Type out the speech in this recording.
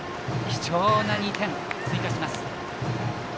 貴重な２点を追加します。